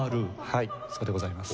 はいそうでございます。